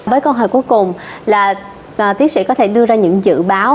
với câu hỏi cuối cùng là tiến sĩ có thể đưa ra những dự báo